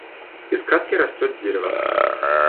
Из кадки растёт дерево.